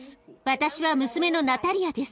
私は娘のナタリアです。